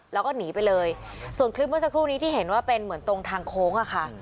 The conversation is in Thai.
แล้วก็หนีไปเลยส่วนคลิปเมื่อสักครู่นี้ที่เห็นว่าเป็นเหมือนตรงทางโค้งอะค่ะ